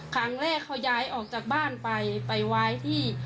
ครั้งแรกเขาย้ายออกจากบ้านไปไปไว้ที่